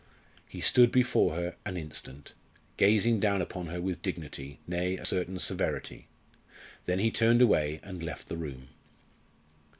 He stood before her an instant, gazing down upon her with dignity nay, a certain severity. Then he turned away and left the room.